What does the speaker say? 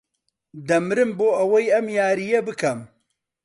دەمرم بۆ ئەوەی ئەم یارییە بکەم.